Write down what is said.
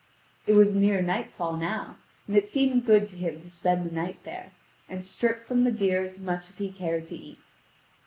It was near nightfall now, and it seemed good to him to spend the night there, and strip from the deer as much as he cared to eat.